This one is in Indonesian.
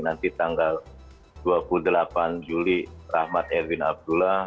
nanti tanggal dua puluh delapan juli rahmat erwin abdullah